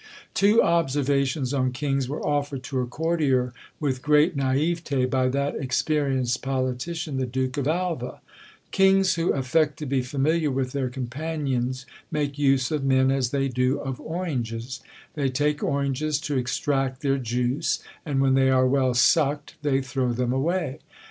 Two observations on kings were offered to a courtier with great naïveté by that experienced politician, the Duke of Alva: "Kings who affect to be familiar with their companions make use of men as they do of oranges; they take oranges to extract their juice, and when they are well sucked they throw them away.